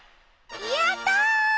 やった！